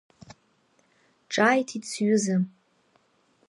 Ҿааиҭит сҩыза.